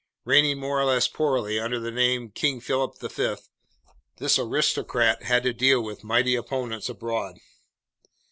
Reigning more or less poorly under the name King Philip V, this aristocrat had to deal with mighty opponents abroad.